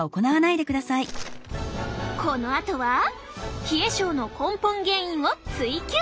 このあとは冷え症の根本原因を追及！